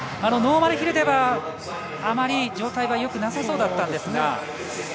ノーマルヒルでは、あまり状態は良くなさそうだったんですが。